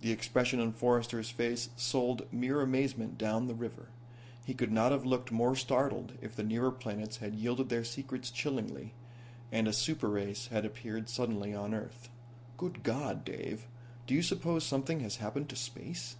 The expression on Forrester's face sold mere amazement down the river. He could not have looked more startled if the nearer planets had yielded their secrets chillingly, and a super race had appeared suddenly on Earth. "Good God, Dave. Do you suppose something has happened to space?"